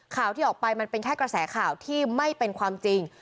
ข่าวที่ออกไปมันเป็นแค่กระแสข่าวที่ไม่เป็นความจริง